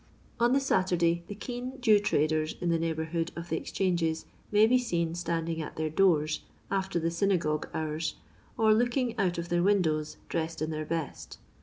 On the Saturday the keen Jew traders in the neighbourhood of the Exchanges may be seen standing at their doors — after the synagogue hours — or looking out of their windows, dressed in their best.